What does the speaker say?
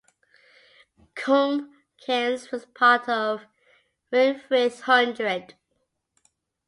Coombe Keynes was part of Winfrith Hundred.